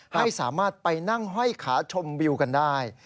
ให้สามารถไปนั่งห้อยขาชมวิวกันได้